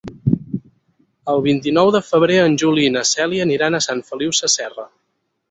El vint-i-nou de febrer en Juli i na Cèlia aniran a Sant Feliu Sasserra.